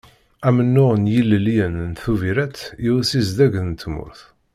Amennuɣ n yilelliyen n Tubiret i usizdeg n tmurt.